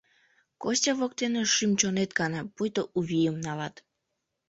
Костя воктене шӱм-чонет кана, пуйто у вийым налат.